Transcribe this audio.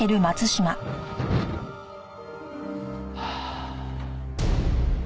はあ。